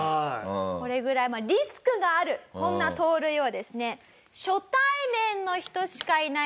これぐらいリスクがあるこんな盗塁をですね。